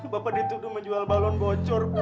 bapak dituduh menjual balon bocor